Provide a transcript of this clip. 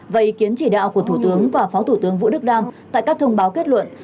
và ý kiến chỉ đạo của thủ tướng và phó thủ tướng vũ đức đam tại các thông báo kết luận